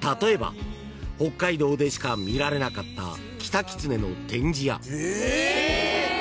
［例えば北海道でしか見られなかったキタキツネの展示や］え！